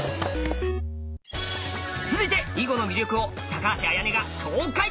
続いて囲碁の魅力を橋彩音が紹介！